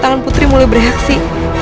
tangan putri mulai bereaksi